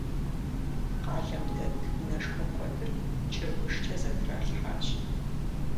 Къалэм дэт унэшхуэ куэдыр чырбышкӏэ зэтралъхьащ.